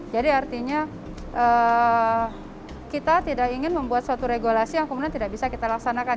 jadi artinya kita tidak ingin membuat suatu regulasi yang kemudian tidak bisa kita laksanakan